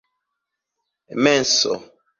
menso